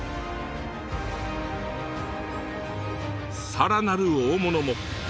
さらなる大物も！